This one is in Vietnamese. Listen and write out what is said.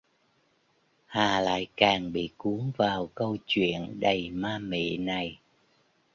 Hà lại càng bị cuốn vào câu chuyện đầy ma mị này